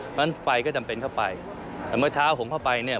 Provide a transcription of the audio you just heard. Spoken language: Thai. เพราะฉะนั้นไฟก็จำเป็นเข้าไปแต่เมื่อเช้าผมเข้าไปเนี่ย